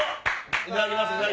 いただきます。